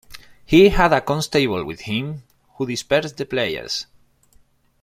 He had a constable with him who dispersed the players.